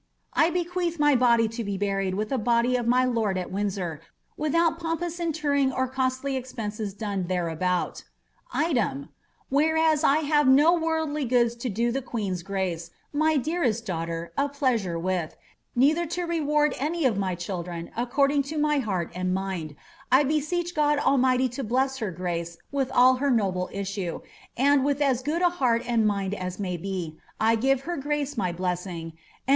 I bequeath my body to be buried with the body of my lord at Windsor, without pompous interring or costly expenses done thereabout. Item, Whereas I have no worldly goods to do the queen's grace, my dearest daughter, a plea sore with, neither to reMrard any of my children, according to my heart and mind, I beseech God Almighty to bless her grace with all her noble issue, and with as good a heart and mind as may be, I give her grace my blessing, and al.